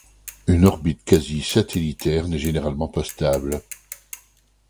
Une orbite quasi-satellitaire n'est généralement pas stable.